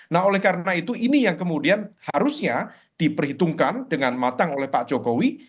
nah oleh karena itu ini yang kemudian harusnya diperhitungkan dengan matang oleh pak jokowi